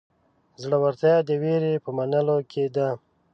زړهورتیا د وېرې په منلو کې ده.